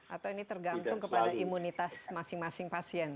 atau ini tergantung kepada imunitas masing masing pasien